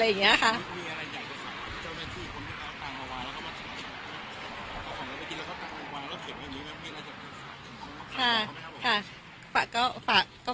มีอะไรใหญ่ที่สามารถให้เจ้าหน้าที่อีกคนที่เขาตั้งออกมาแล้วเขามาขอบคุณ